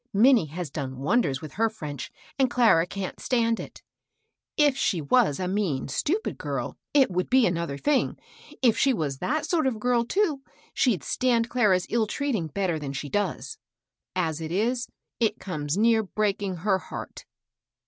Minnie has done wonders with her French, and Clara can't stand it. If she was a mean, stupid girl, it would be another thing. If she was that sort of 36 MABEL ROSS. girl, too, she'd stand Clara's ill treating better than she does. As it is, it comes near breaking her heart."